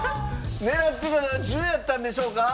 狙ってたのは１０やったんでしょうか？